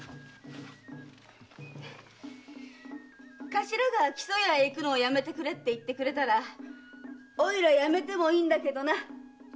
頭が「木曽屋へいくのはやめてくれ」って言ってくれたらおいらやめてもいいんだけどな。